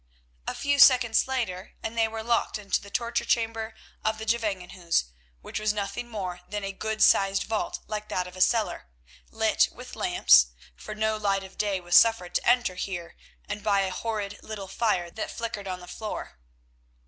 A few seconds later and they were locked into the torture chamber of the Gevangenhuis, which was nothing more than a good sized vault like that of a cellar, lit with lamps, for no light of day was suffered to enter here, and by a horrid little fire that flickered on the floor.